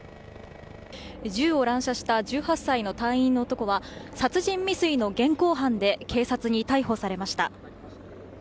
銃を乱射した１８歳の隊員の男は殺人未遂の現行犯で警察に逮捕されました。